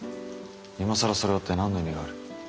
今更それを追って何の意味がある？